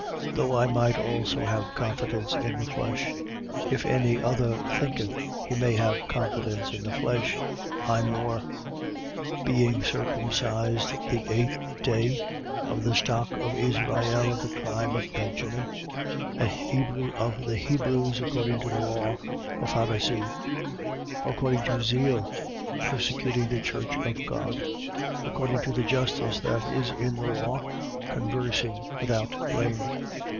3:4. Though I might also have confidence in the flesh. If any other thinketh he may have confidence in the flesh, I more: 3:5. Being circumcised the eighth day, of the stock of Israel, of the tribe of Benjamin, an Hebrew of the Hebrews. According to the law, a Pharisee: 3:6. According to zeal, persecuting the church of God: According to the justice that is in the law, conversing without blame.